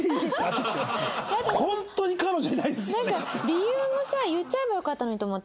理由もさ言っちゃえばよかったのにと思って。